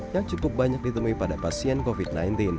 yang cukup banyak ditemui pada pasien covid sembilan belas